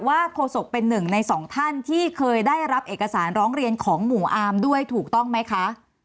โฆษกเป็นหนึ่งในสองท่านที่เคยได้รับเอกสารร้องเรียนของหมู่อาร์มด้วยถูกต้องไหมคะ